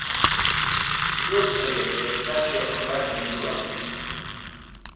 زۆر سەیرە کە هێشتا شێخ عومەر زیندووە.